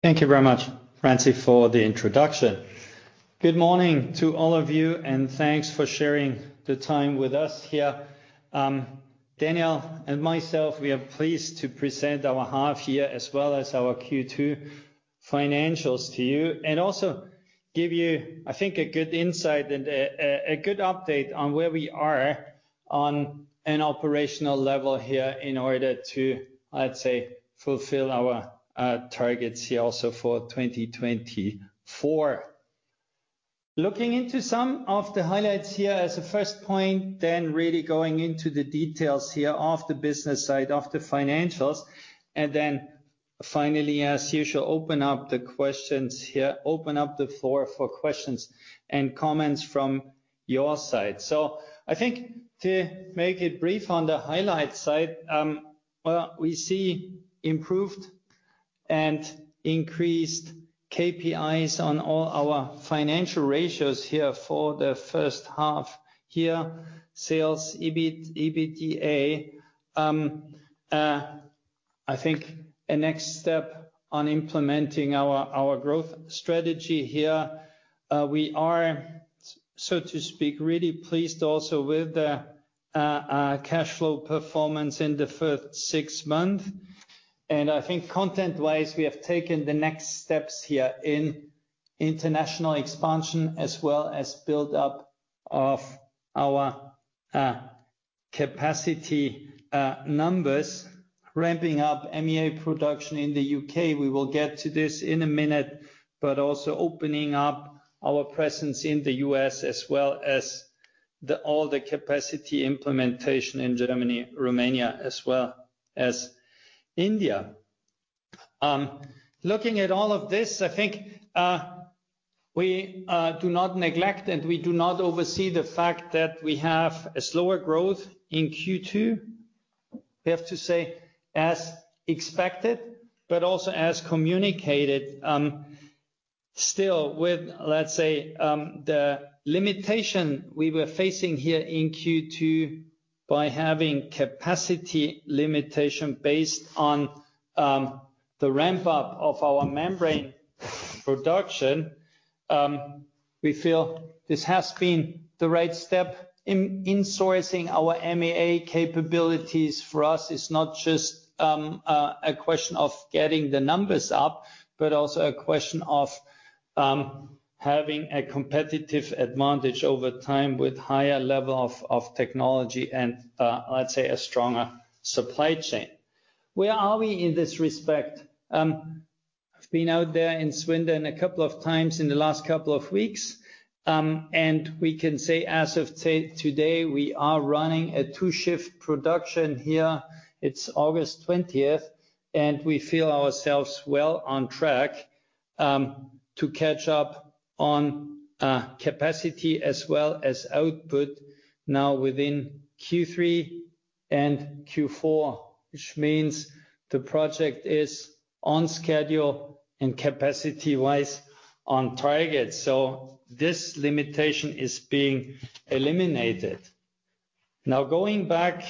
...Thank you very much, Franci, for the introduction. Good morning to all of you, and thanks for sharing the time with us here. Daniel and myself, we are pleased to present our half year as well as our Q2 financials to you, and also give you, I think, a good insight and a good update on where we are on an operational level here in order to, let's say, fulfill our targets here also for twenty twenty-four. Looking into some of the highlights here as a first point, then really going into the details here of the business side, of the financials, and then finally, as usual, open up the questions here, open up the floor for questions and comments from your side. I think to make it brief on the highlight side, we see improved and increased KPIs on all our financial ratios here for the first half year. Sales, EBITDA, I think a next step on implementing our growth strategy here, we are, so to speak, really pleased also with the cash flow performance in the first six months. And I think content-wise, we have taken the next steps here in international expansion, as well as build up of our capacity numbers, ramping up MEA production in the U.K. We will get to this in a minute, but also opening up our presence in the U.S., as well as all the capacity implementation in Germany, Romania, as well as India. Looking at all of this, I think, we do not neglect, and we do not oversee the fact that we have a slower growth in Q2. We have to say, as expected, but also as communicated, still with, let's say, the limitation we were facing here in Q2 by having capacity limitation based on, the ramp up of our membrane production, we feel this has been the right step in insourcing our MEA capabilities for us. It's not just, a question of getting the numbers up, but also a question of, having a competitive advantage over time with higher level of technology and, let's say, a stronger supply chain. Where are we in this respect? I've been out there in Swindon a couple of times in the last couple of weeks, and we can say as of today, we are running a two-shift production here. It's August twentieth, and we feel ourselves well on track to catch up on capacity as well as output now within Q3 and Q4, which means the project is on schedule and capacity-wise on target. So this limitation is being eliminated. Now, going back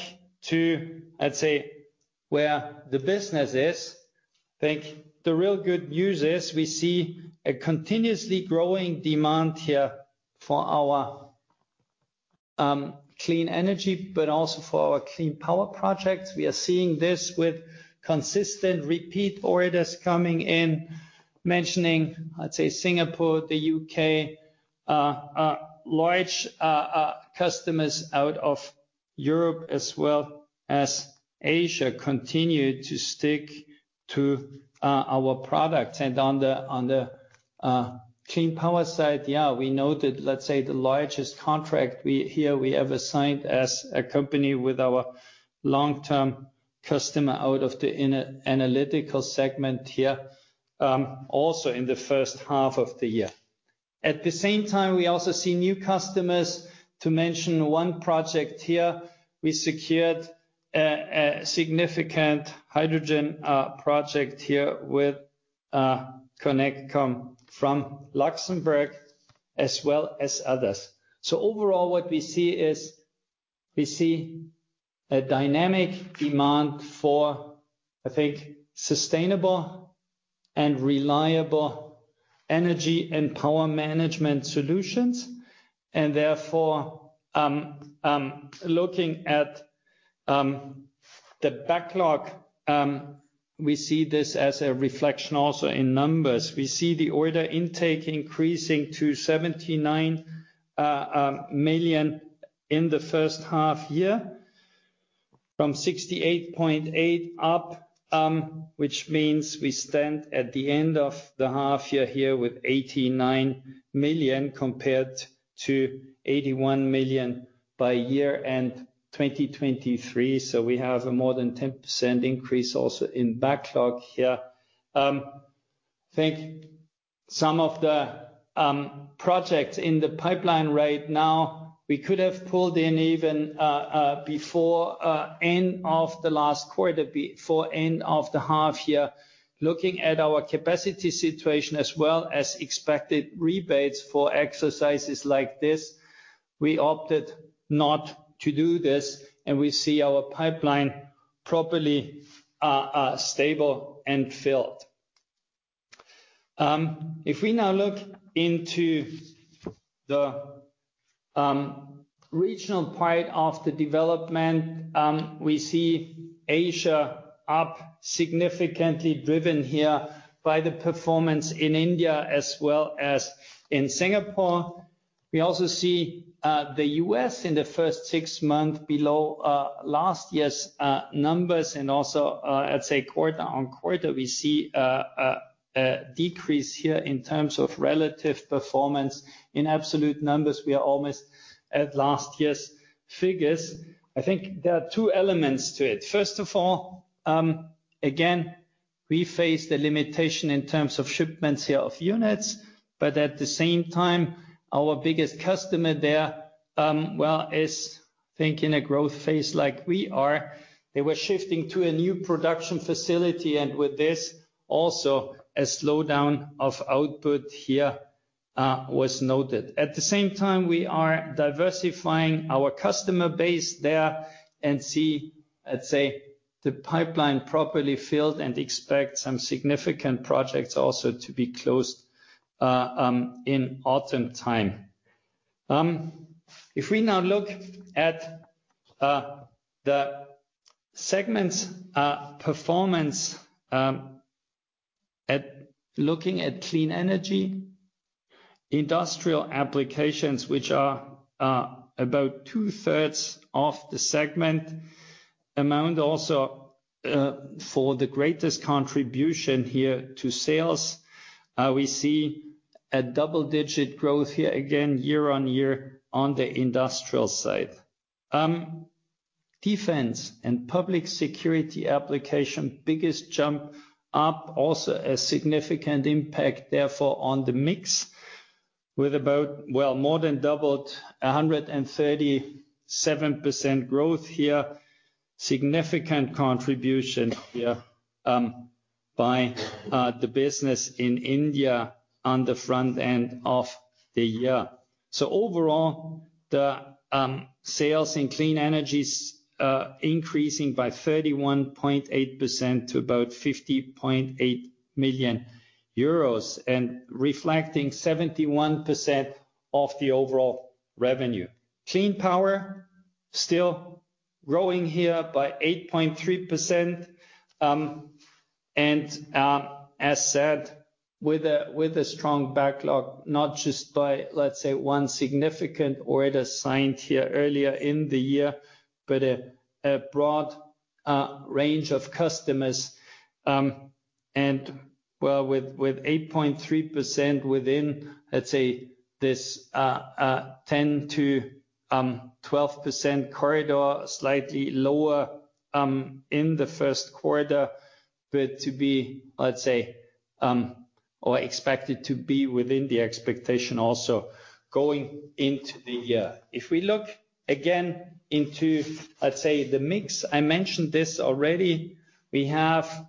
to, I'd say, where the business is, I think the real good news is we see a continuously growing demand here for our Clean Energy,, but also for our clean power projects. We are seeing this with consistent repeat orders coming in, mentioning, let's say, Singapore, the UK, large customers out of Europe as well as Asia, continue to stick to our products. On the clean power side, yeah, we noted, let's say, the largest contract here we ever signed as a company with our long-term customer out of the analytical segment here, also in the first half of the year. At the same time, we also see new customers. To mention one project here, we secured a significant hydrogen project here with ConnectCom from Luxembourg as well as others. Overall, what we see is, we see a dynamic demand for, I think, sustainable and reliable energy and power management solutions, and therefore, looking at the backlog, we see this as a reflection also in numbers. We see the order intake increasing to 79 million in the first half year, from 68.8 up, which means we stand at the end of the half year here with 89 million compared to 81 million by year end 2023. So we have a more than 10% increase also in backlog here. I think some of the projects in the pipeline right now, we could have pulled in even before end of the last quarter, before end of the half year. Looking at our capacity situation, as well as expected rebates for exercises like this. We opted not to do this, and we see our pipeline properly stable and filled. If we now look into the regional part of the development, we see Asia up significantly, driven here by the performance in India as well as in Singapore. We also see the U.S. in the first six months below last year's numbers and also, I'd say quarter on quarter, we see a decrease here in terms of relative performance. In absolute numbers, we are almost at last year's figures. I think there are two elements to it. First of all, again, we face the limitation in terms of shipments here of units, but at the same time, our biggest customer there, well, is in a growth phase like we are. They were shifting to a new production facility, and with this, also a slowdown of output here was noted. At the same time, we are diversifying our customer base there and see, let's say, the pipeline properly filled and expect some significant projects also to be closed in autumn time. If we now look at the segments performance, at looking at Clean Energy,, industrial applications, which are about two-thirds of the segment, account also for the greatest contribution here to sales. We see a double-digit growth here, again, year on year on the industrial side. Defense and public security application, biggest jump up, also a significant impact, therefore, on the mix, with about, well, more than doubled, 137% growth here. Significant contribution here by the business in India on the front end of the year. Overall, the sales in clean energies increasing by 31.8% to about 50.8 million euros and reflecting 71% of the overall revenue. Clean power still growing here by 8.3% and as said with a strong backlog not just by let's say one significant order signed here earlier in the year but a broad range of customers with 8.3% within let's say this 10%-12% corridor slightly lower in the first quarter but to be let's say or expected to be within the expectation also going into the year. If we look again into, let's say, the mix, I mentioned this already, we have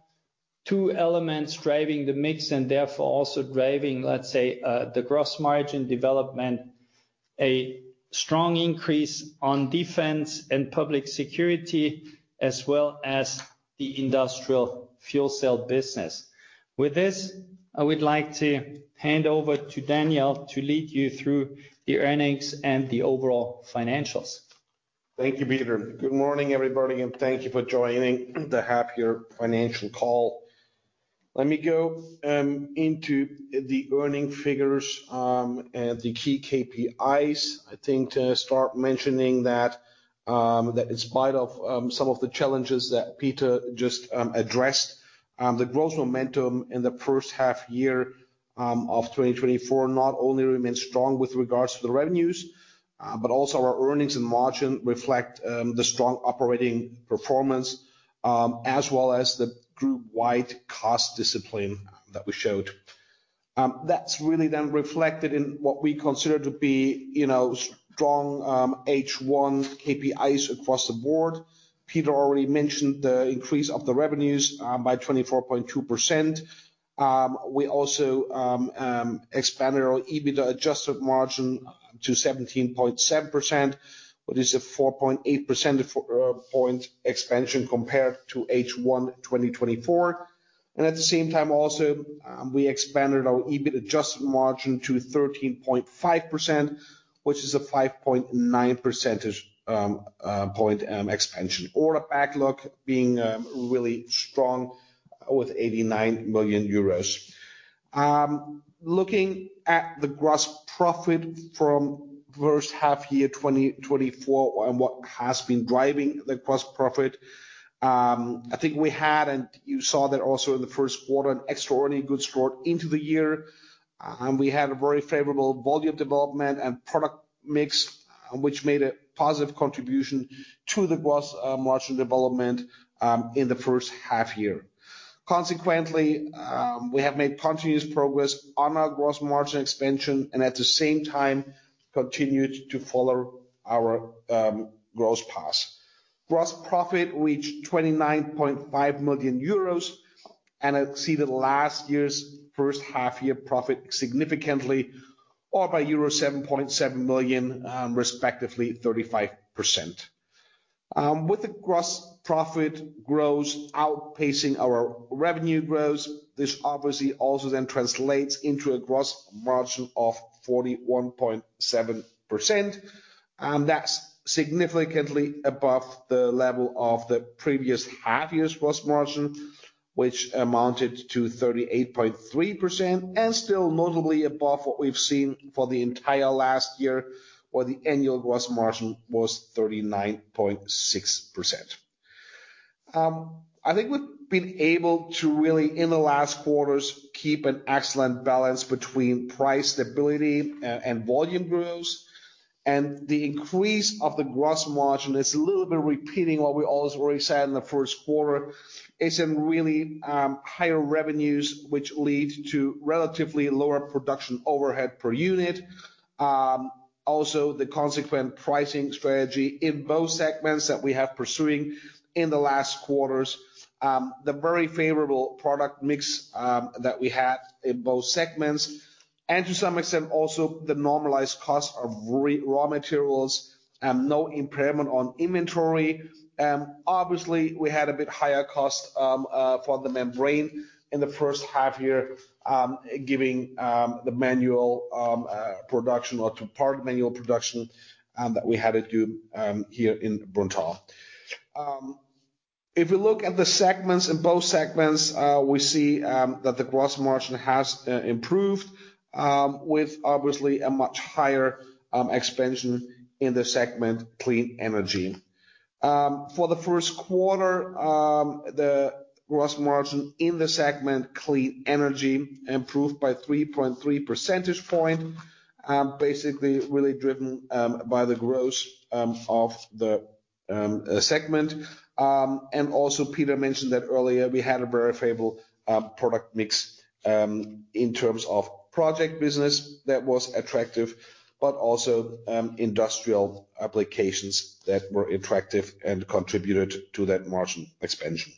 two elements driving the mix and therefore also driving, let's say, the gross margin development, a strong increase on defense and public security, as well as the industrial fuel cell business. With this, I would like to hand over to Daniel to lead you through the earnings and the overall financials. Thank you, Peter. Good morning, everybody, and thank you for joining the half-year financial call. Let me go into the earnings figures and the key KPIs. I think to start mentioning that in spite of some of the challenges that Peter just addressed, the growth momentum in the first half-year of 2024 not only remains strong with regards to the revenues, but also our earnings and margin reflect the strong operating performance as well as the group-wide cost discipline that we showed. That's really then reflected in what we consider to be, you know, strong H1 KPIs across the board. Peter already mentioned the increase of the revenues by 24.2%. We also expanded our adjusted EBITDA margin to 17.7%, which is a 4.8 percentage point expansion compared to H1 2024. At the same time also we expanded our adjusted EBITDA margin to 13.5%, which is a 5.9 percentage point expansion. Order backlog being really strong with 89 million euros. Looking at the gross profit from first half year 2024 and what has been driving the gross profit, I think we had, and you saw that also in the first quarter, an extraordinarily good start into the year. We had a very favorable volume development and product mix, which made a positive contribution to the gross margin development in the first half year. Consequently, we have made continuous progress on our gross margin expansion and at the same time continued to follow our gross path. Gross profit reached 29.5 million euros and exceeded last year's first half-year profit significantly, or by euro 7.7 million, respectively 35%. With the gross profit growth outpacing our revenue growth, this obviously also then translates into a gross margin of 41.7%, and that's significantly above the level of the previous half year's gross margin, which amounted to 38.3%, and still notably above what we've seen for the entire last year, where the annual gross margin was 39.6%. I think we've been able to really, in the last quarters, keep an excellent balance between price stability and volume growth. The increase of the gross margin is a little bit repeating what we also already said in the first quarter. It is really higher revenues, which lead to relatively lower production overhead per unit. Also, the consequent pricing strategy in both segments that we have pursuing in the last quarters. The very favorable product mix that we had in both segments, and to some extent, also the normalized cost of raw materials and no impairment on inventory. Obviously, we had a bit higher cost for the membrane in the first half year, given the manual production or two-part manual production that we had to do here in Brunnthal. If we look at the segments, in both segments, we see that the gross margin has improved with obviously a much higher expansion in the segment, Clean Energy,. For the first quarter, the gross margin in the segment, Clean Energy,, improved by 3.3 percentage point, basically really driven by the growth of the segment, and also, Peter mentioned that earlier, we had a very favorable product mix in terms of project business that was attractive, but also industrial applications that were attractive and contributed to that margin expansion.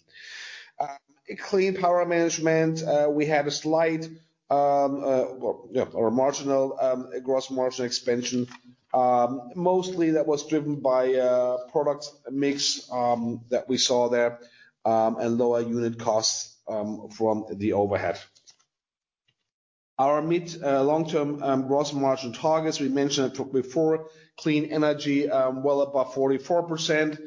In Clean Power Management, we had a slight, well, or a marginal gross margin expansion. Mostly that was driven by product mix that we saw there and lower unit costs from the overhead. Our mid long-term gross margin targets, we mentioned it before, Clean Energy, well above 44%.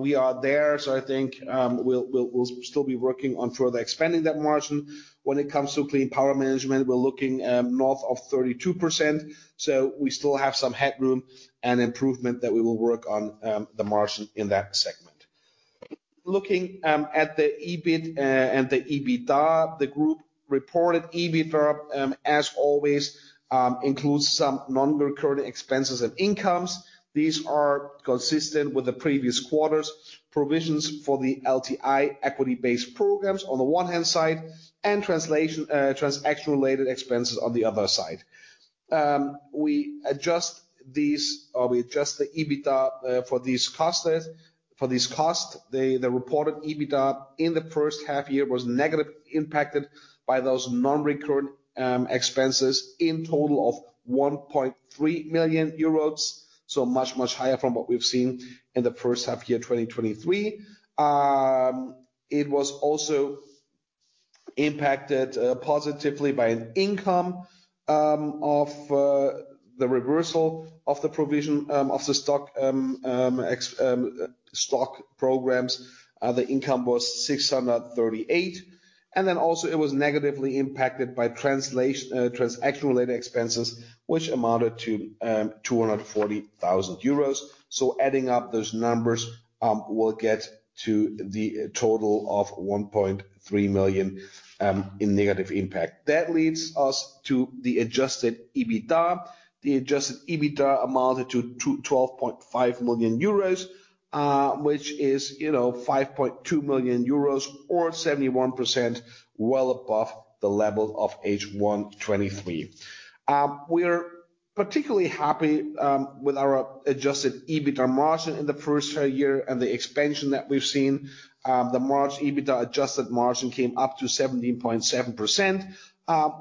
We are there, so I think we'll still be working on further expanding that margin. When it comes to Clean Power Management, we're looking north of 32%, so we still have some headroom and improvement that we will work on the margin in that segment. Looking at the EBIT and the EBITDA, the group reported EBITDA as always includes some non-recurring expenses and incomes. These are consistent with the previous quarters, provisions for the LTI equity-based programs on the one hand, and translation transaction-related expenses on the other side. We adjust these, or we adjust the EBITDA for these costs. The reported EBITDA in the first half year was negatively impacted by those non-recurring expenses in total of 1.3 million euros, so much higher from what we've seen in the first half year, 2023. It was also impacted positively by an income of the reversal of the provision of the stock programs. The income was 638, and then also it was negatively impacted by translation transaction-related expenses, which amounted to 240,000 euros. Adding up those numbers, we'll get to the total of 1.3 million in negative impact. That leads us to the adjusted EBITDA. The adjusted EBITDA amounted to 12.5 million euros, which is, you know, 5.2 million euros or 71%, well above the level of H1 2023. We are particularly happy with our adjusted EBITDA margin in the first year and the expansion that we've seen. The margin EBITDA adjusted margin came up to 17.7%,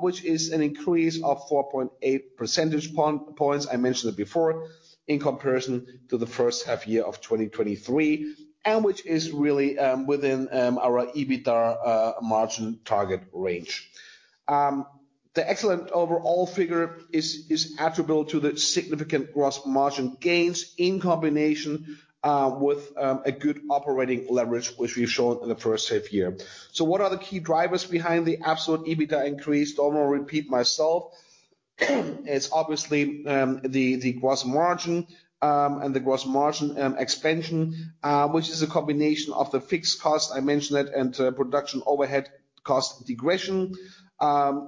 which is an increase of four point eight percentage points, I mentioned it before, in comparison to the first half year of 2023, and which is really within our EBITDA margin target range. The excellent overall figure is attributable to the significant gross margin gains in combination with a good operating leverage, which we've shown in the first half year. So what are the key drivers behind the absolute EBITDA increase? I will repeat myself. It's obviously the gross margin and the gross margin expansion, which is a combination of the fixed cost, I mentioned it, and production overhead cost degression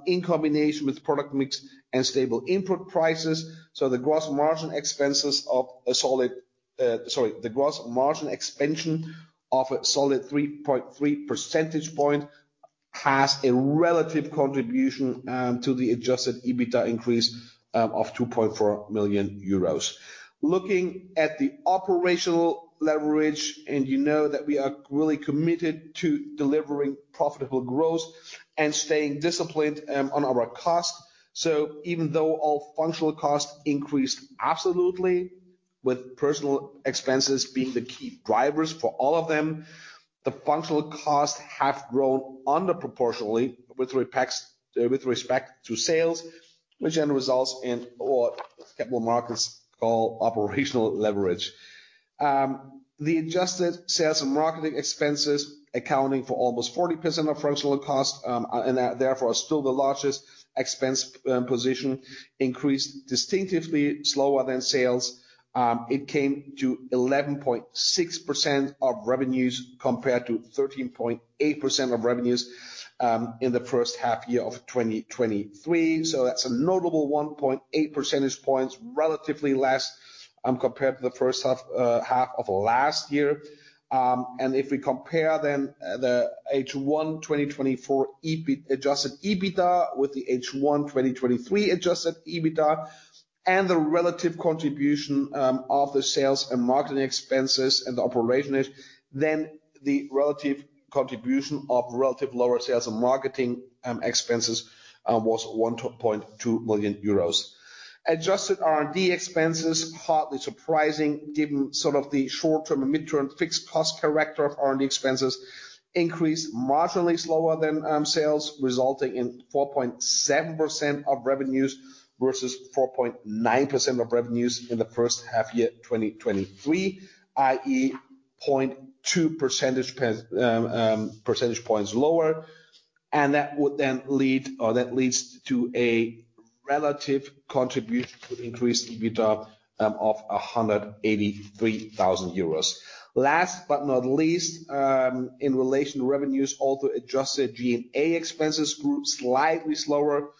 in combination with product mix and stable input prices. So the gross margin expenses of a solid... Sorry, the gross margin expansion of a solid 3.3 percentage point has a relative contribution to the adjusted EBITDA increase of 2.4 million euros. Looking at the operational leverage... and you know that we are really committed to delivering profitable growth and staying disciplined on our cost. Even though all functional costs increased absolutely, with personnel expenses being the key drivers for all of them, the functional costs have grown less than proportionally with respect to sales, which then results in what capital markets call operational leverage. The adjusted sales and marketing expenses, accounting for almost 40% of functional costs, and therefore, are still the largest expense position, increased significantly slower than sales. It came to 11.6% of revenues, compared to 13.8% of revenues, in the first half year of 2023. That's a notable 1.8 percentage points relatively less, compared to the first half of last year. And if we compare then the H1 2024 adjusted EBITDA with the H1 2023 adjusted EBITDA, and the relative contribution of the sales and marketing expenses and the operation, then the relative contribution of relative lower sales and marketing expenses was 1.2 million euros. Adjusted R&D expenses, hardly surprising, given sort of the short-term and mid-term fixed cost character of R&D expenses, increased marginally slower than sales, resulting in 4.7% of revenues versus 4.9% of revenues in the first half year 2023, i.e., 0.2 percentage points lower. And that would then lead or that leads to a relative contribution to increased EBITDA of 183,000 euros. Last but not least, in relation to revenues, although adjusted G&A expenses grew slightly slower,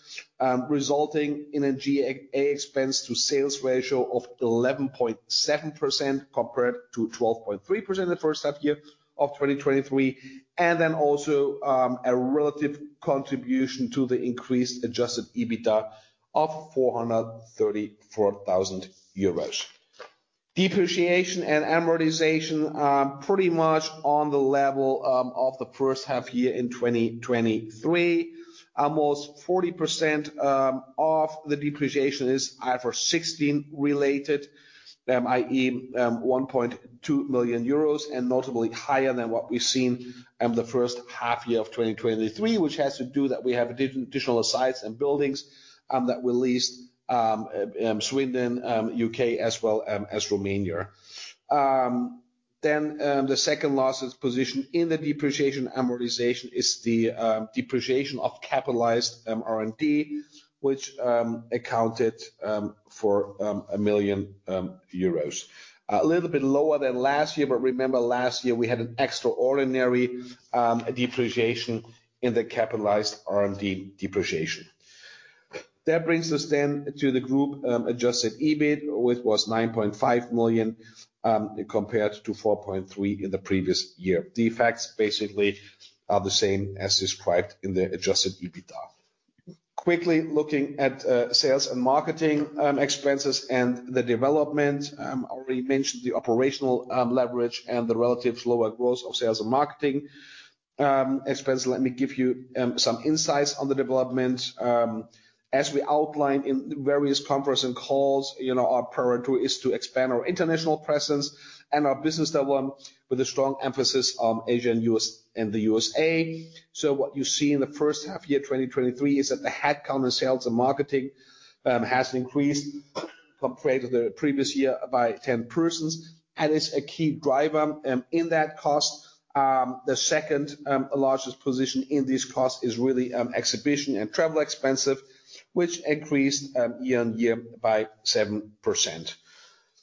resulting in a G&A expense to sales ratio of 11.7%, compared to 12.3% in the first half year of 2023. And then also a relative contribution to the increased adjusted EBITDA of 434,000 euros. Depreciation and amortization are pretty much on the level of the first half year in 2023. Almost 40% of the depreciation is IFRS 16 related, i.e., 1.2 million euros, and notably higher than what we've seen in the first half year of 2023, which has to do that we have additional sites and buildings that we leased, Swindon, UK, as well as Romania. Then, the second largest position in the depreciation amortization is the depreciation of capitalized R&D, which accounted for 1 million euros. A little bit lower than last year, but remember last year we had an extraordinary depreciation in the capitalized R&D depreciation. That brings us then to the group adjusted EBIT, which was 9.5 million compared to 4.3 million in the previous year. The effects basically are the same as described in the adjusted EBITDA. Quickly looking at sales and marketing expenses and the development. I already mentioned the operational leverage and the relative slower growth of sales and marketing expense. Let me give you some insights on the development. As we outlined in various conference and calls, you know, our priority is to expand our international presence and our business development with a strong emphasis on Asia and the US and the USA. So what you see in the first half year, 2023, is that the head count in sales and marketing has increased compared to the previous year by 10 persons, and is a key driver in that cost. The second largest position in this cost is really exhibition and travel expenses, which increased year on year by 7%.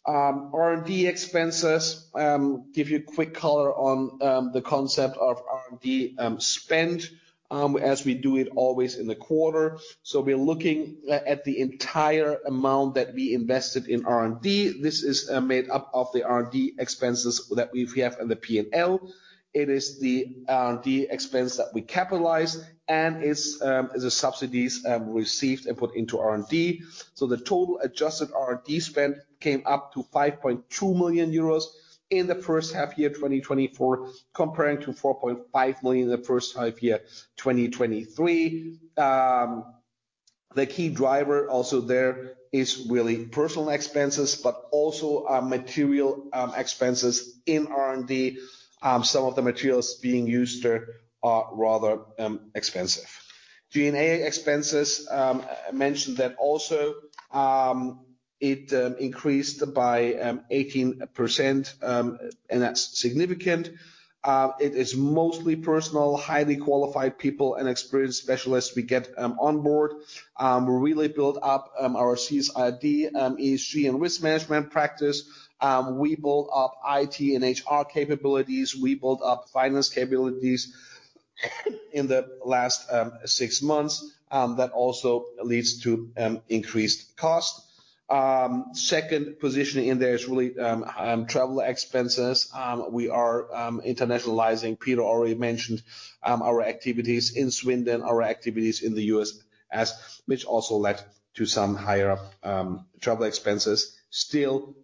R&D expenses, give you quick color on the concept of R&D spend, as we do it always in the quarter. So we're looking at the entire amount that we invested in R&D. This is made up of the R&D expenses that we have in the P&L. It is the R&D expense that we capitalize and is the subsidies received and put into R&D. The total adjusted R&D spend came up to 5.2 million euros in the first half year 2024, comparing to 4.5 million EUR in the first half year 2023. The key driver also there is really personnel expenses, but also material expenses in R&D. Some of the materials being used are rather expensive. G&A expenses, I mentioned that also, it increased by 18%, and that's significant. It is mostly personnel, highly qualified people and experienced specialists we get on board. We really build up our CSRD, ESG and risk management practice. We build up IT and HR capabilities. We built up finance capabilities, in the last six months. That also leads to increased cost. Second position in there is really travel expenses. We are internationalizing. Peter already mentioned our activities in Swindon, our activities in the U.S., as which also led to some higher travel expenses. Still,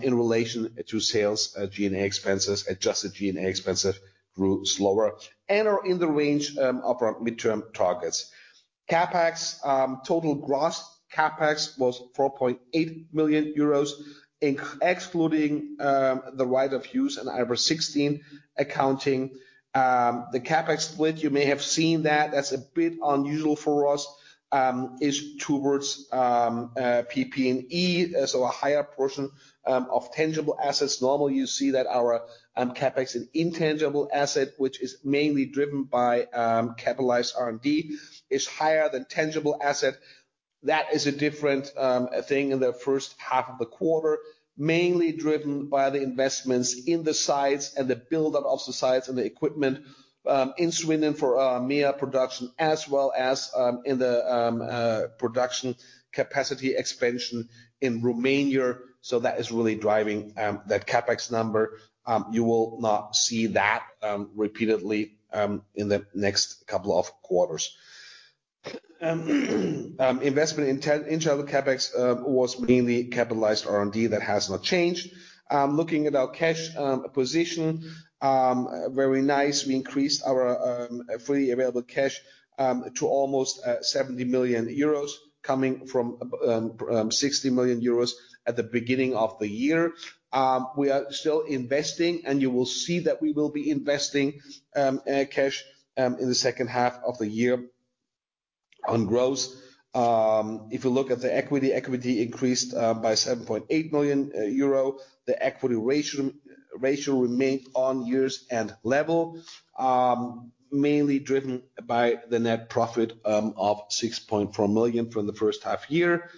in relation to sales, G&A expenses, adjusted G&A expenses grew slower and are in the range of our midterm targets. CapEx total gross CapEx was 4.8 million euros, excluding the right of use and IFRS 16 accounting. The CapEx split, you may have seen that, that's a bit unusual for us, is towards PP&E, and so a higher portion of tangible assets. Normally, you see that our CapEx in intangible asset, which is mainly driven by capitalized R&D, is higher than tangible asset. That is a different thing in the first half of the quarter, mainly driven by the investments in the sites and the build-up of the sites and the equipment in Swindon for MEA production, as well as in the production capacity expansion in Romania. So that is really driving that CapEx number. You will not see that repeatedly in the next couple of quarters. Investment in tangible CapEx was mainly capitalized R&D. That has not changed. Looking at our cash position, very nice. We increased our freely available cash to almost 70 million euros, coming from 60 million euros at the beginning of the year. We are still investing, and you will see that we will be investing cash in the second half of the year on growth. If you look at the equity, it increased by 7.8 million euro. The equity ratio remained on year's end level, mainly driven by the net profit of 6.4 million from the first half year.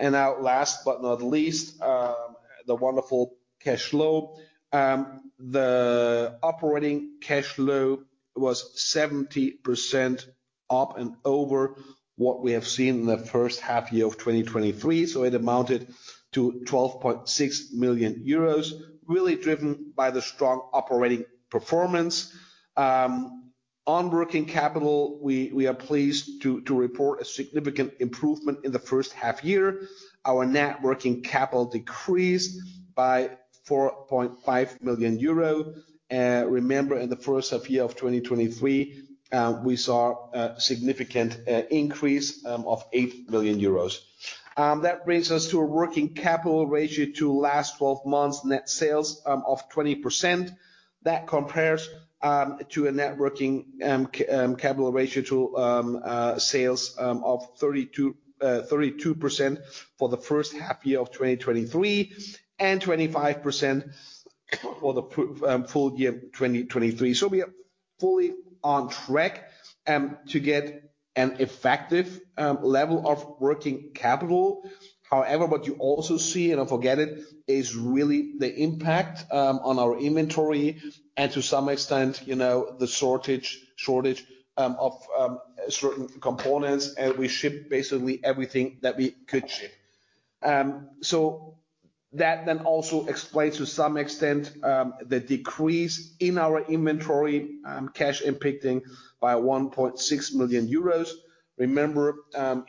Now, last but not least, the wonderful cash flow. The operating cash flow was 70% up and over what we have seen in the first half year of 2023, so it amounted to 12.6 million euros, really driven by the strong operating performance. On working capital, we are pleased to report a significant improvement in the first half year. Our net working capital decreased by 4.5 million euro. Remember, in the first half year of 2023, we saw a significant increase of 8 million euros. That brings us to a working capital ratio to last twelve months net sales of 20%. That compares to a net working capital ratio to sales of 32% for the first half year of 2023, and 25% for the full year 2023. So we are fully on track to get an effective level of working capital. However, what you also see, and don't forget it, is really the impact on our inventory and to some extent, you know, the shortage of certain components, and we ship basically everything that we could ship. So that then also explains to some extent the decrease in our inventory, cash impacting by 1.6 million euros. Remember,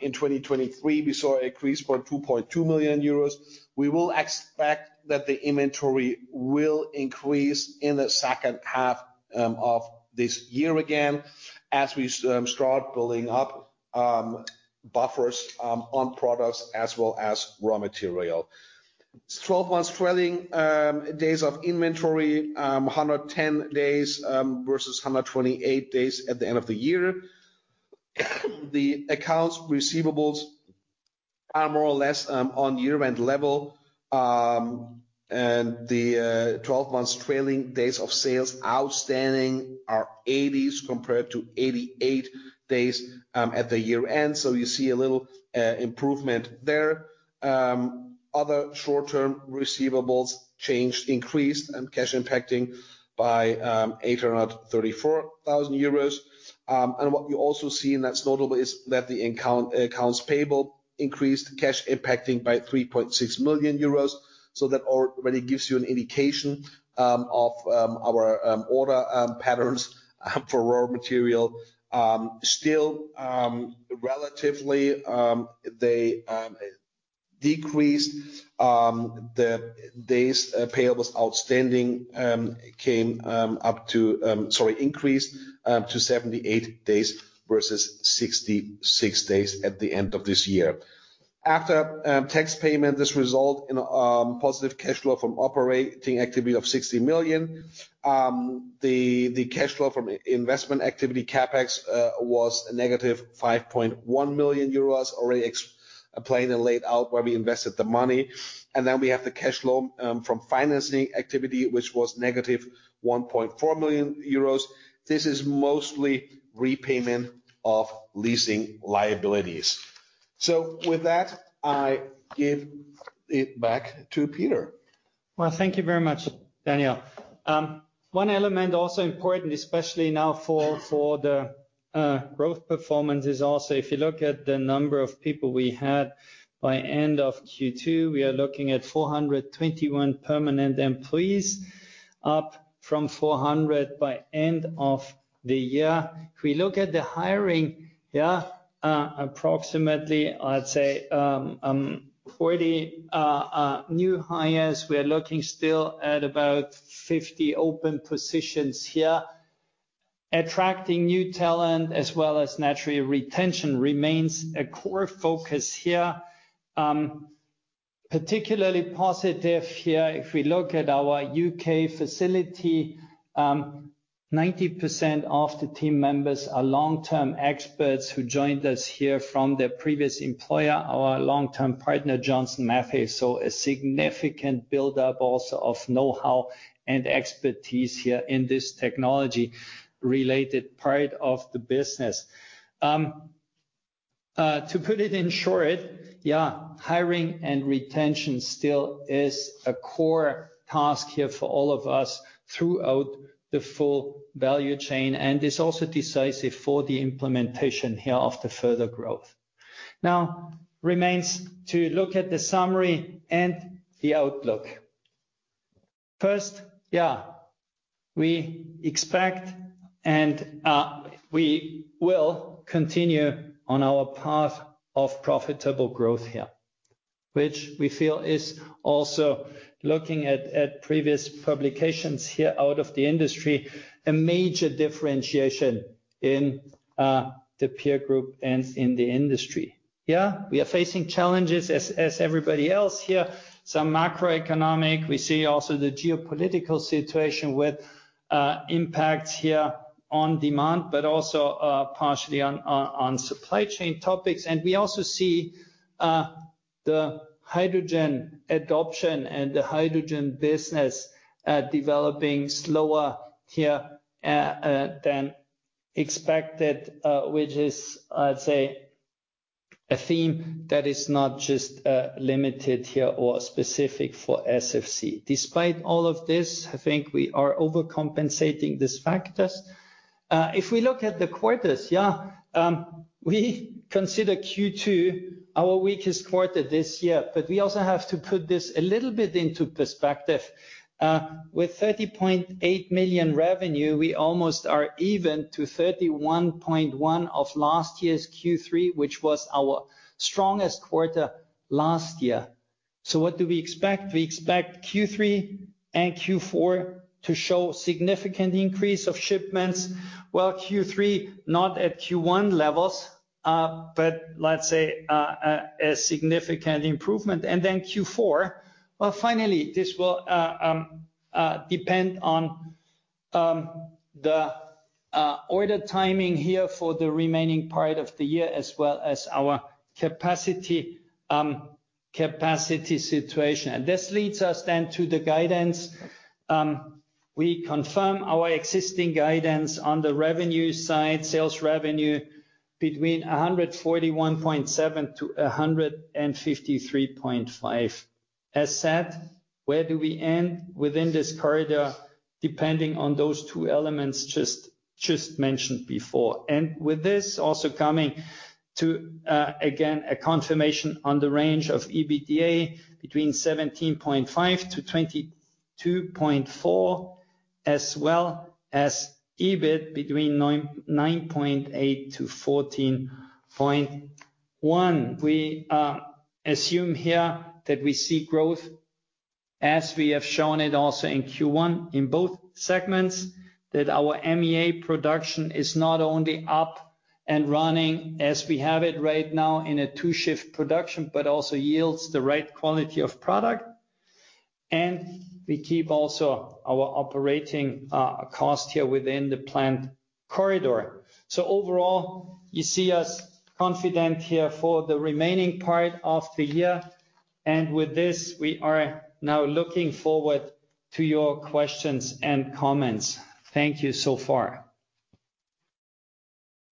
in 2023, we saw an increase by 2.2 million euros. We will expect that the inventory will increase in the second half of this year again, as we start building up buffers on products as well as raw material. Twelve months trailing days of inventory, 110 days, versus 128 days at the end of the year. The accounts receivables are more or less on year-end level. And the twelve months trailing days of sales outstanding are 80s compared to 88 days at the year-end. So you see a little improvement there. Other short-term receivables changed, increased, and cash impacting by 834,000 euros. And what you also see, and that's notable, is that the accounts payable increased, cash impacting by 3.6 million euros. So that really gives you an indication of our order patterns for raw material. Still, relatively, they decreased the Days Payables Outstanding came up to. Sorry, increased to 78 days versus 66 days at the end of this year. After tax payment, this result in a positive cash flow from operating activity of 60 million. The cash flow from investment activity, CapEx, was a negative 5.1 million euros, already planned and laid out where we invested the money. Then we have the cash flow from financing activity, which was negative 1.4 million euros. This is mostly repayment of leasing liabilities. With that, I give it back to Peter.... Well, thank you very much, Daniel. One element also important, especially now for the growth performance, is also if you look at the number of people we had by end of Q2. We are looking at 421 permanent employees, up from 400 by end of the year. If we look at the hiring, new hires. We are looking still at about 50 open positions here. Attracting new talent, as well as naturally, retention, remains a core focus here. Particularly positive here, if we look at our U.K. facility, 90% of the team members are long-term experts who joined us here from their previous employer, our long-term partner, Johnson Matthey. So a significant buildup also of know-how and expertise here in this technology-related part of the business. To put it in short, yeah, hiring and retention still is a core task here for all of us throughout the full value chain, and is also decisive for the implementation here of the further growth. Now, remains to look at the summary and the outlook. First, yeah, we expect, and, we will continue on our path of profitable growth here, which we feel is also looking at previous publications here out of the industry, a major differentiation in the peer group and in the industry. Yeah, we are facing challenges as everybody else here, some macroeconomic. We see also the geopolitical situation with impacts here on demand, but also partially on supply chain topics. We also see the hydrogen adoption and the hydrogen business developing slower here than expected, which is, I'd say, a theme that is not just limited here or specific for SFC. Despite all of this, I think we are overcompensating these factors. If we look at the quarters, yeah, we consider Q2 our weakest quarter this year, but we also have to put this a little bit into perspective. With 30.8 million revenue, we almost are even to 31.1 of last year's Q3, which was our strongest quarter last year. So what do we expect? We expect Q3 and Q4 to show significant increase of shipments, while Q3 not at Q1 levels, but let's say a significant improvement. And then Q4, well, finally, this will depend on the order timing here for the remaining part of the year, as well as our capacity situation. This leads us then to the guidance. We confirm our existing guidance on the revenue side, sales revenue between 141.7 to 153.5. As said, where do we end within this corridor? Depending on those two elements just mentioned before. With this, also coming to, again, a confirmation on the range of EBITDA between 17.5 to 22.4, as well as EBIT between 9.8 to 14.1. We assume here that we see growth as we have shown it also in Q1, in both segments, that our MEA production is not only up and running as we have it right now in a two-shift production, but also yields the right quality of product, and we keep also our operating cost here within the planned corridor, so overall, you see us confident here for the remaining part of the year, and with this, we are now looking forward to your questions and comments. Thank you so far.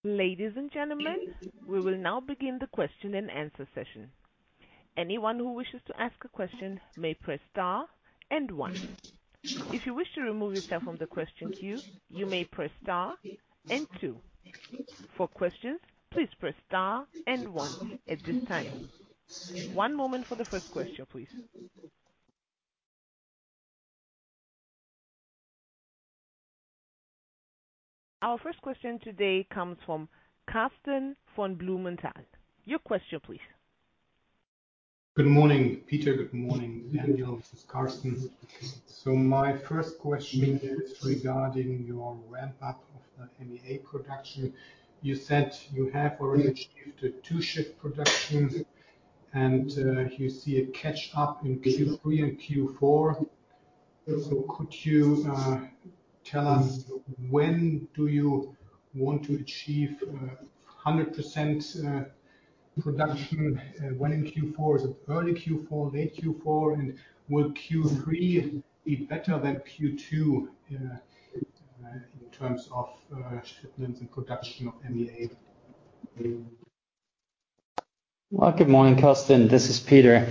Ladies and gentlemen, we will now begin the question-and-answer session. Anyone who wishes to ask a question may press star and one. If you wish to remove yourself from the question queue, you may press star and two. For questions, please press star and one at this time. One moment for the first question, please. Our first question today comes from Carsten von Blumenthal. Your question, please. Good morning, Peter. Good morning, Daniel. This is Carsten. My first question is regarding your ramp-up of the MEA production. You said you have already achieved a two-shift production, and you see a catch-up in Q3 and Q4. Could you tell us when do you want to achieve 100% production? When in Q4, is it early Q4, late Q4? And will Q3 be better than Q2 in terms of shipments and production of MEA?... Well, good morning, Carsten. This is Peter.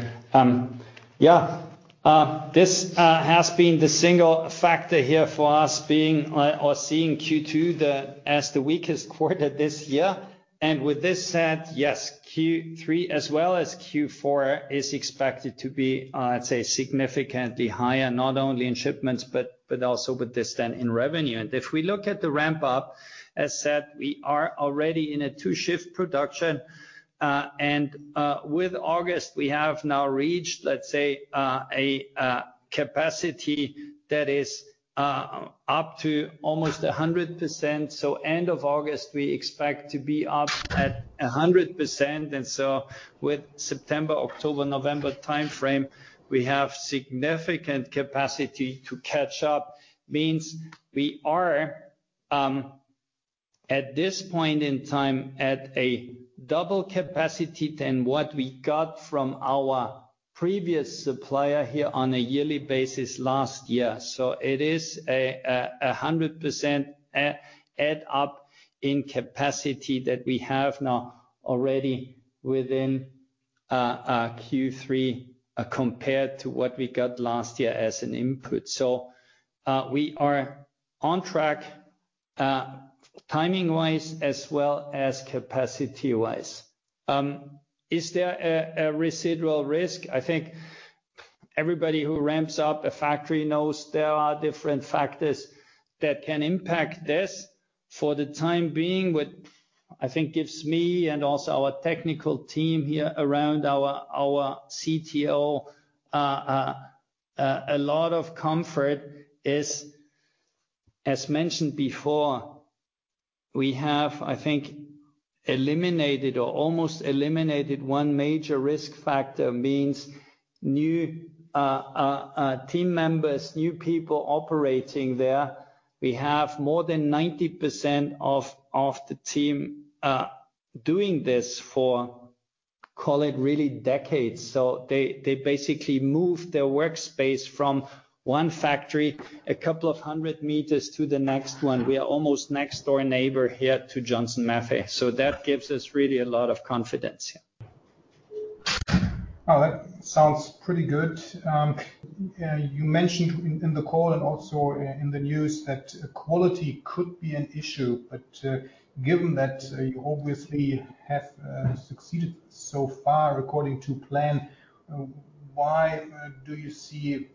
Yeah, this has been the single factor here for us being, or seeing Q2 as the weakest quarter this year. And with this said, yes, Q3 as well as Q4 is expected to be, I'd say significantly higher, not only in shipments, but also with this then in revenue. And if we look at the ramp up, as said, we are already in a two shift production. And with August, we have now reached, let's say, a capacity that is up to almost 100%. So end of August, we expect to be up at 100%, and so with September, October, November timeframe, we have significant capacity to catch up. It means we are, at this point in time, at a double capacity than what we got from our previous supplier here on a yearly basis last year. So it is a 100% add up in capacity that we have now already within Q3 compared to what we got last year as an input. So, we are on track, timing-wise as well as capacity-wise. Is there a residual risk? I think everybody who ramps up a factory knows there are different factors that can impact this. For the time being, what I think gives me and also our technical team here around our CTO a lot of comfort is, as mentioned before, we have, I think, eliminated or almost eliminated one major risk factor. It means new team members, new people operating there. We have more than 90% of the team doing this for, call it really decades. So they basically moved their workspace from one factory, a couple of hundred meters to the next one. We are almost next door neighbor here to Johnson Matthey, so that gives us really a lot of confidence here. That sounds pretty good. You mentioned in the call and also in the news that quality could be an issue, but given that you obviously have succeeded so far according to plan, why do you see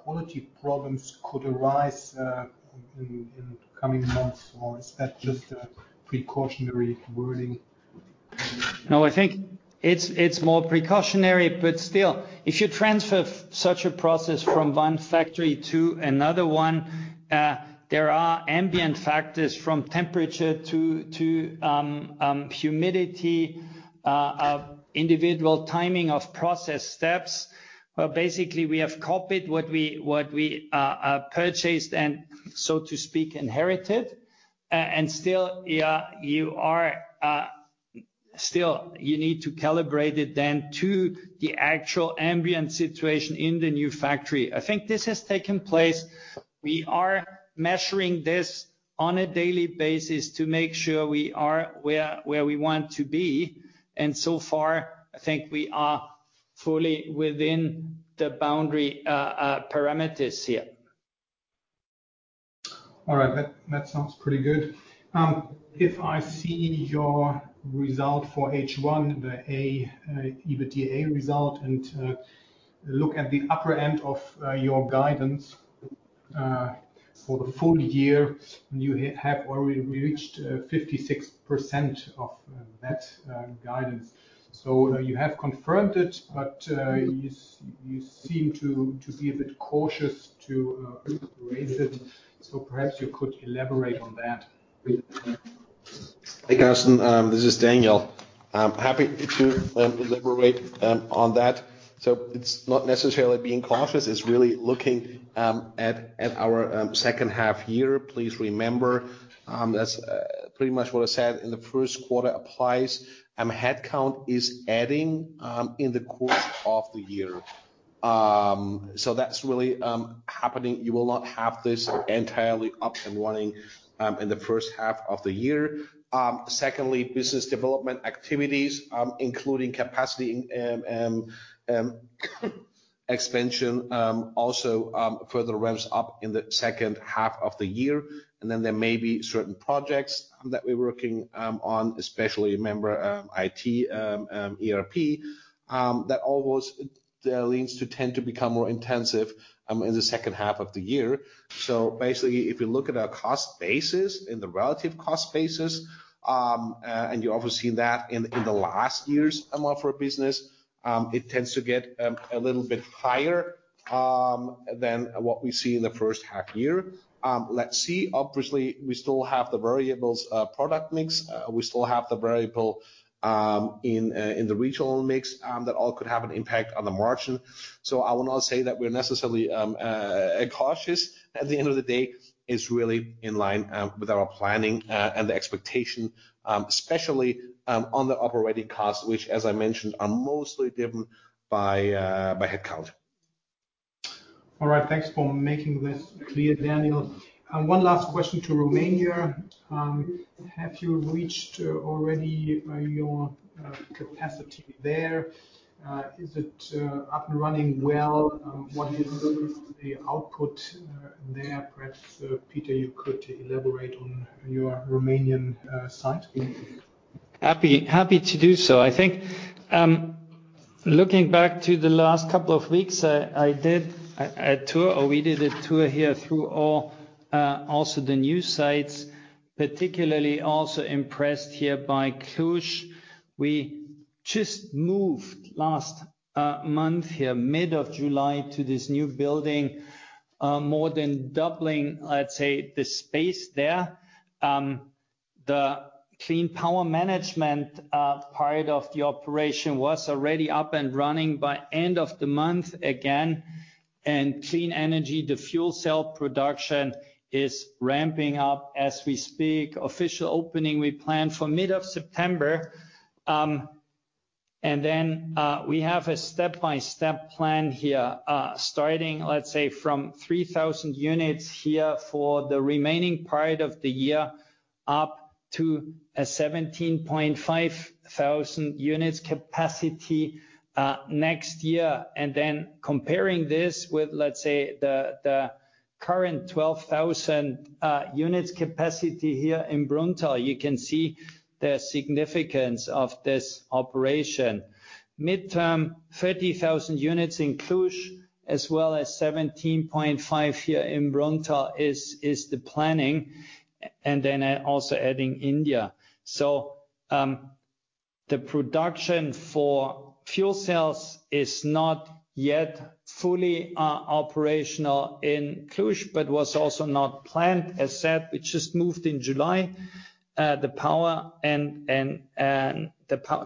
if quality problems could arise in coming months, or is that just a precautionary wording? No, I think it's more precautionary, but still, if you transfer such a process from one factory to another one, there are ambient factors, from temperature to humidity, individual timing of process steps. But basically, we have copied what we purchased, and so to speak, inherited. And still, you need to calibrate it then to the actual ambient situation in the new factory. I think this has taken place. We are measuring this on a daily basis to make sure we are where we want to be, and so far, I think we are fully within the boundary parameters here. All right. That sounds pretty good. If I see your result for H1, the adjusted EBITDA result, and look at the upper end of your guidance for the full year, you have already reached 56% of that guidance. So you have confirmed it, but you seem to be a bit cautious to raise it. So perhaps you could elaborate on that. Hey, Carsten, this is Daniel. I'm happy to elaborate on that. So it's not necessarily being cautious, it's really looking at our second half year. Please remember, that's pretty much what I said in the first quarter applies, and headcount is adding in the course of the year. So that's really happening. You will not have this entirely up and running in the first half of the year. Secondly, business development activities, including capacity expansion, also further ramps up in the second half of the year. And then there may be certain projects that we're working on, especially remember IT ERP that always tends to become more intensive in the second half of the year. So basically, if you look at our cost basis and the relative cost basis, and you've obviously seen that in the last year's amount of our business, it tends to get a little bit higher than what we see in the first half year. Let's see. Obviously, we still have the variables, product mix. We still have the variable in the regional mix that all could have an impact on the margin. So I will not say that we're necessarily cautious. At the end of the day, it's really in line with our planning and the expectation, especially on the operating costs, which, as I mentioned, are mostly driven by headcount. ... All right, thanks for making this clear, Daniel. One last question to Romania. Have you reached already your capacity there? Is it up and running well? What is the output there? Perhaps Peter, you could elaborate on your Romanian site. Happy to do so. I think, looking back to the last couple of weeks, we did a tour here through all also the new sites, particularly also impressed here by Cluj. We just moved last month here, mid of July, to this new building, more than doubling, let's say, the space there. The Clean Power Management part of the operation was already up and running by end of the month, again, and Clean Energy,, the fuel cell production is ramping up as we speak. Official opening, we plan for mid of September, and then we have a step-by-step plan here, starting, let's say, from 3,000 units here for the remaining part of the year, up to a 17,500 units capacity, next year. Then comparing this with, let's say, the current 12,000 units capacity here in Brunnthal, you can see the significance of this operation. Mid-term, 30,000 units in Cluj, as well as 17.5 here in Brunnthal, is the planning, and then also adding India. So, the production for fuel cells is not yet fully operational in Cluj, but was also not planned. As said, we just moved in July. The power and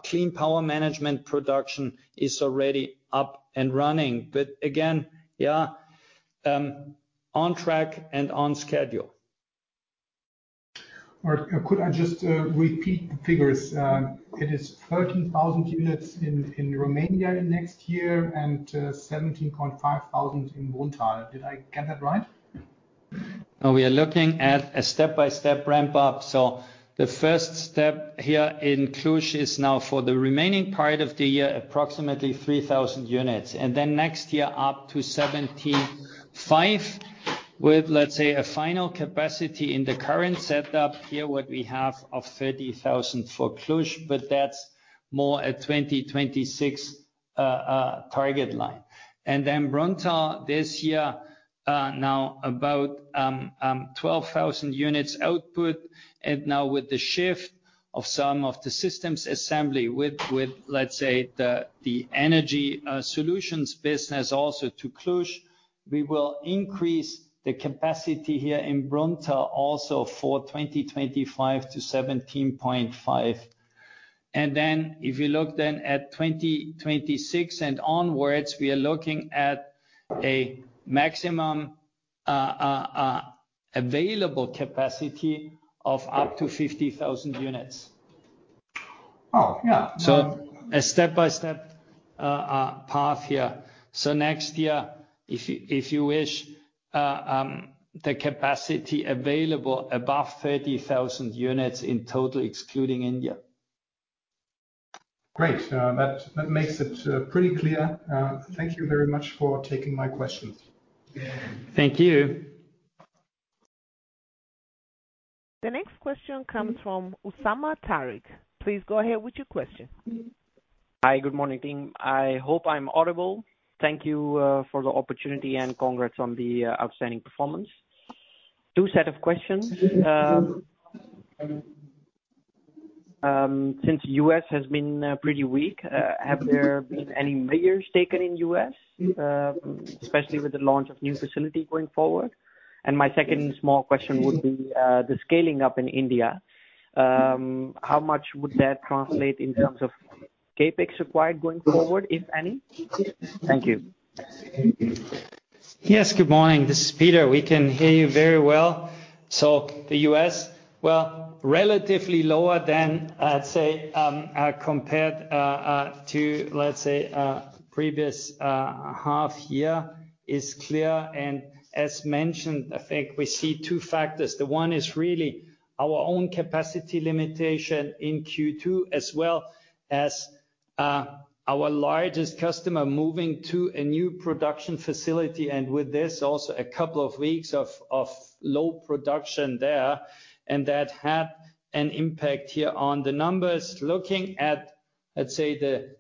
clean power management production is already up and running. But again, on track and on schedule. All right. Could I just repeat the figures? It is thirteen thousand units in Romania next year, and seventeen point five thousand in Brunnthal. Did I get that right? We are looking at a step-by-step ramp up. So the first step here in Cluj is now for the remaining part of the year, approximately 3,000 units, and then next year, up to 75, with, let's say, a final capacity in the current setup here, what we have of 30,000 for Cluj, but that's more a 2026 target line. And then Brunnthal, this year, now about 12,000 units output. And now with the shift of some of the systems assembly with, let's say, the energy solutions business also to Cluj, we will increase the capacity here in Brunnthal also for 2025 to 17.5. And then, if you look then at 2026 and onwards, we are looking at a maximum available capacity of up to 50,000 units. Oh, yeah. So a step-by-step path here. So next year, if you wish, the capacity available above 30,000 units in total, excluding India. Great. That makes it pretty clear. Thank you very much for taking my questions. Thank you. The next question comes from Usama Tariq. Please go ahead with your question. Hi. Good morning, team. I hope I'm audible. Thank you for the opportunity and congrats on the outstanding performance. Two set of questions. Since U.S. has been pretty weak, have there been any measures taken in U.S., especially with the launch of new facility going forward? And my second small question would be, the scaling up in India, how much would that translate in terms of CapEx required going forward, if any? Thank you. Yes, good morning. This is Peter. We can hear you very well, so the U.S., well, relatively lower than, let's say, compared to, let's say, previous half year is clear, and as mentioned, I think we see two factors. The one is really our own capacity limitation in Q2, as well as, our largest customer moving to a new production facility, and with this, also a couple of weeks of low production there, and that had an impact here on the numbers. Looking at, let's say,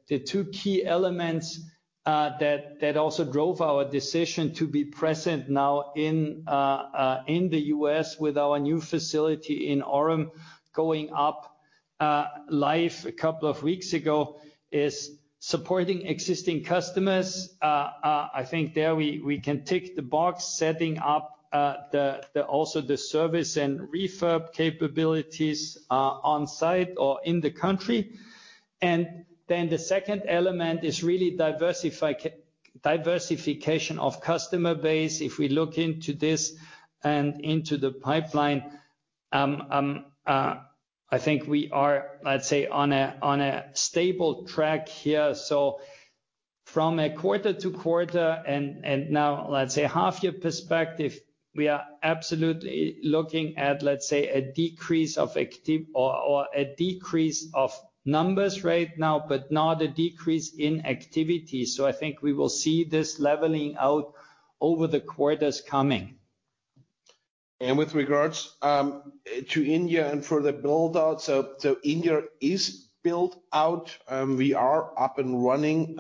the two key elements, that also drove our decision to be present now in the U.S. with our new facility in Orem, going live a couple of weeks ago, is supporting existing customers. I think there we can tick the box, setting up also the service and refurb capabilities on site or in the country, and then the second element is really diversification of customer base, if we look into this and into the pipeline, I think we are, let's say, on a stable track here, so from a quarter to quarter and now, let's say, half year perspective, we are absolutely looking at, let's say, a decrease of or a decrease of numbers right now, but not a decrease in activity, so I think we will see this leveling out over the quarters coming. And with regards to India and for the build-outs, so India is built out. We are up and running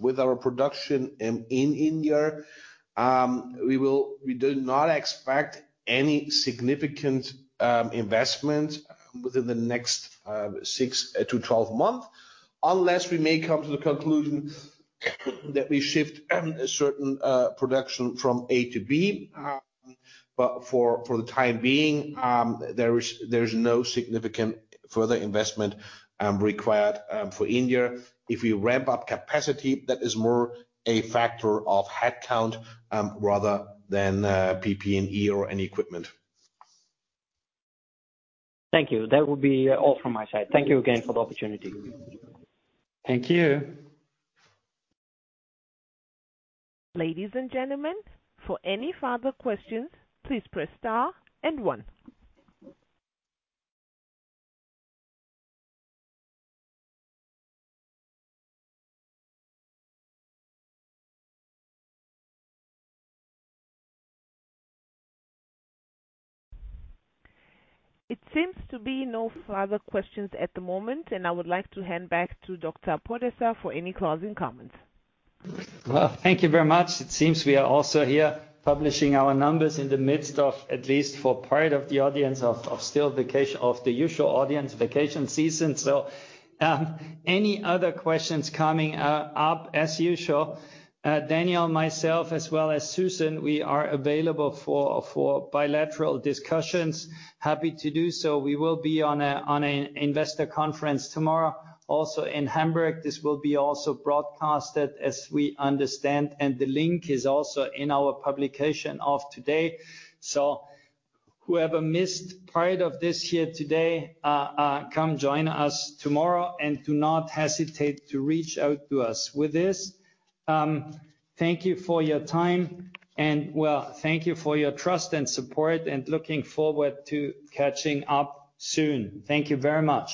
with our production in India. We do not expect any significant investment within the next six to 12 months, unless we may come to the conclusion that we shift a certain production from A to B. But for the time being, there is no significant further investment required for India. If we ramp up capacity, that is more a factor of headcount rather than PP&E or any equipment. Thank you. That will be all from my side. Thank you again for the opportunity. Thank you. Ladies and gentlemen, for any further questions, please press star and one. It seems to be no further questions at the moment, and I would like to hand back to Dr. Podesser for any closing comments. Thank you very much. It seems we are also here publishing our numbers in the midst of, at least for part of the audience, of the usual audience vacation season. So, any other questions coming up, as usual, Daniel, myself, as well as Susan, we are available for bilateral discussions. Happy to do so. We will be on a investor conference tomorrow, also in Hamburg. This will be also broadcasted, as we understand, and the link is also in our publication of today. So whoever missed part of this here today, come join us tomorrow, and do not hesitate to reach out to us. With this, thank you for your time, and well, thank you for your trust and support, and looking forward to catching up soon. Thank you very much.